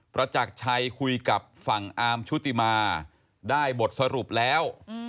ประจักรชัยคุยกับฝั่งอาร์มชุติมาได้บทสรุปแล้ว